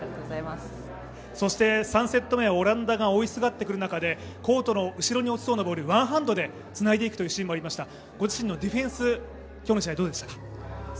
３セット目、オランダが追いすがってくる中で、コートの後ろに落ちそうなボール、ワンハンドでつなぎそうな場面もありましたがご自身のディフェンス、今日の試合、どうでした？